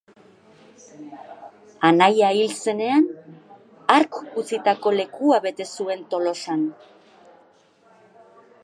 Anaia hil zenean, hark utzitako lekua bete zuen Tolosan.